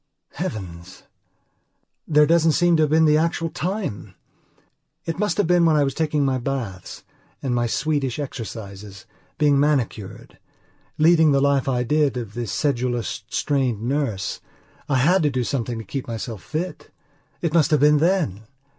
Heavens! There doesn't seem to have been the actual time. It must have been when I was taking my baths, and my Swedish exercises, being manicured. Leading the life I did, of the sedulous, strained nurse, I had to do something to keep myself fit. It must have been then!